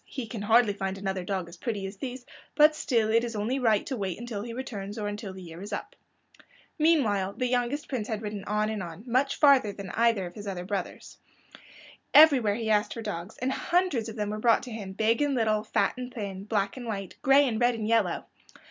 He can hardly find another dog as pretty as these, but still it is only right to wait until he returns, or until the year is up." Meanwhile the youngest prince had ridden on and on, much farther than either of his other brothers. Everywhere he asked for dogs, and hundreds of them were brought to him, big and little, fat and thin, black and white, and gray and red and yellow.